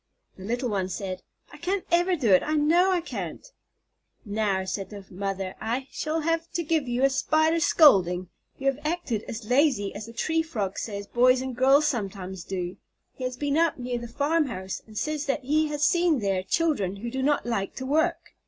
The little one said, "I can't ever do it, I know I can't." "Now," said the mother, "I shall have to give you a Spider scolding. You have acted as lazy as the Tree Frog says boys and girls sometimes do. He has been up near the farm house, and says that he has seen there children who do not like to work.